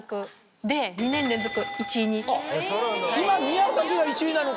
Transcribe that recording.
今宮崎が１位なのか。